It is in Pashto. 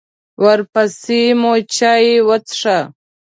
ورپسې مو چای وڅښه.